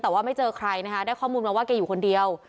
แต่ว่าไม่เจอใครนะคะได้ข้อมูลมาว่าแกอยู่คนเดียว